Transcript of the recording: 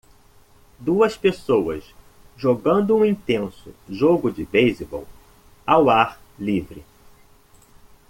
Duas pessoas jogando um intenso jogo de beisebol ao ar livre.